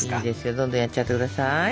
どんどんやっちゃって下さい。